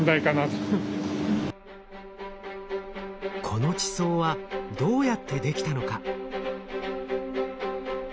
この地層はどうやってできたのか？